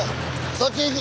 そっち行く！